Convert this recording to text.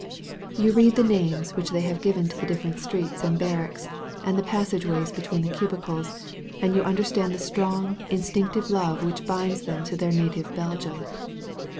You read the names which they have given to the different streets and barracks, and the passage ways between the cubicles, and you understand the strong, instinctive love which binds them to their native Belgium.